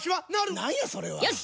なんやそれはよし！